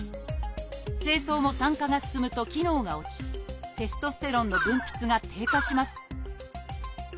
精巣も酸化が進むと機能が落ちテストステロンの分泌が低下します。